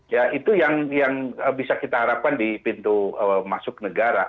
ya itu yang bisa kita harapkan di pintu masuk negara